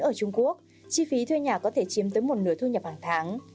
ở trung quốc chi phí thuê nhà có thể chiếm tới một nửa thu nhập hàng tháng